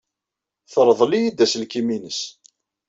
Terḍel-iyi-d aselkim-nnes.